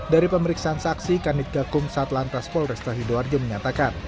dari pemeriksaan saksi kanditga kum satelan transport restahidoarjo menyatakan